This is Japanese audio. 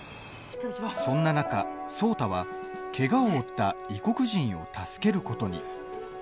そんな中、壮多は、けがを負った異国人を助けることに。